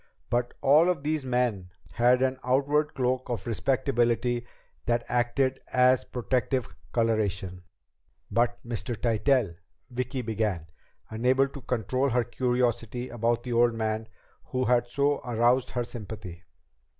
But all of these men had an outward cloak of respectability that acted as protective coloration." "But Mr. Tytell?" Vicki began, unable to control her curiosity about the old man who had so aroused her sympathy.